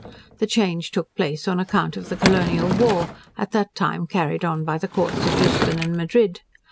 The change took place on account of the colonial war, at that time carried on by the Courts of Lisbon and Madrid.